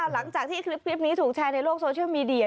หลังจากที่คลิปนี้ถูกแชร์ในโลกโซเชียลมีเดีย